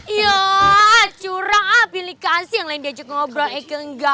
iya curang aplikasi yang lain diajak ngobrol eike engga